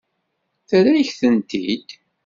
Terra-yak-tent-id.